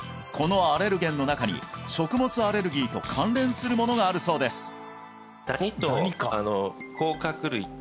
このアレルゲンの中に食物アレルギーと関連するものがあるそうです